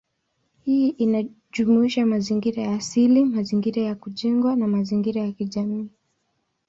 Hii inajumuisha mazingira ya asili, mazingira ya kujengwa, na mazingira ya kijamii.